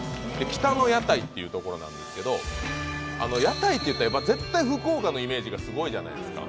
北の屋台ってところなんですけど屋台って絶対福岡のイメージがすごいじゃないですか。